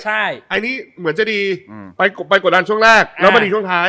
ใช่อันนี้เหมือนจะดีไปกดดันช่วงแรกแล้วพอดีช่วงท้าย